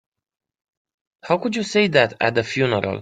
How could you say that at the funeral?